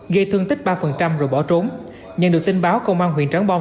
gây thương tích ba rồi bỏ trốn nhận được tin báo công an huyện tráng bon